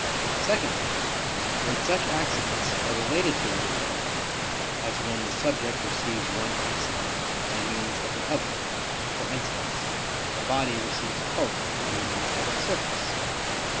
Secondly, when such accidents are related to one another; as when the subject receives one accident by means of the other; for instance, a body receives color by means of its surface.